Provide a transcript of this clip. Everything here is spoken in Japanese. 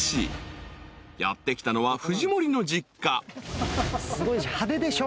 ［やって来たのは藤森の実家］